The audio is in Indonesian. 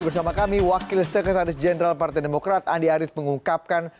bersama kami wakil sekretaris jenderal partai demokrat andi arief mengungkapkan